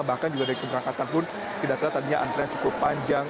bahkan juga dari keberangkatan pun tidak terlihat tadinya antrian cukup panjang